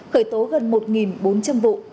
khởi tố gần một bốn trăm linh vụ